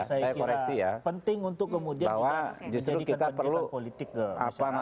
saya kira penting untuk kemudian kita menjadikan pendidikan politik ke masyarakat